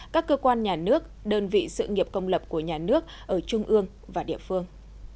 các cơ quan nhà nước đơn vị sự nghiệp công lập của nhà nước ở trung ương và địa phương